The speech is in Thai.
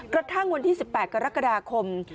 กระทั่งวันที่๑๘กรกฎาคม